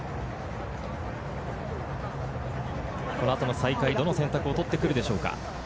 この後の再開、どの選択を取ってくるでしょうか？